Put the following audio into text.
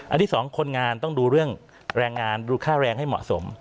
ที่สองคนงานต้องดูเรื่องแรงงานดูค่าแรงให้เหมาะสม